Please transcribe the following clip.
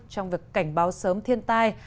trong việc cảnh báo sớm thiên tai